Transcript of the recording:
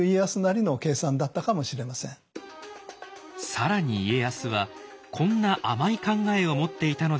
更に家康はこんな甘い考えを持っていたのではないでしょうか。